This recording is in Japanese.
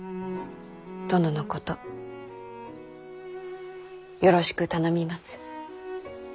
殿のことよろしく頼みます。